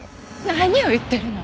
何を言ってるの？